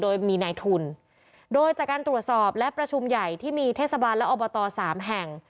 โดยมีนายทุนโดยจากการตรวจสอบและประชุมใหญ่ที่มีเทศบาลและอบตสามแห่ง